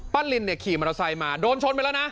ลินเนี่ยขี่มอเตอร์ไซค์มาโดนชนไปแล้วนะ